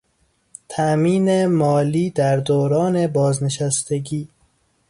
تامین مالی در دوران بازنشستگی